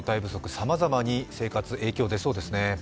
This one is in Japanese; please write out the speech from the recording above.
さまざまに生活、影響出そうですね。